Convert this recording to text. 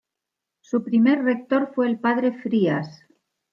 Su primer rector fue el padre Frías.